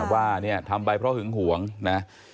ว่าเนี่ยทำไปเพราะหึงหวงนะ